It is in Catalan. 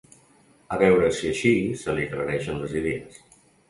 A veure si així se li aclareixen les idees.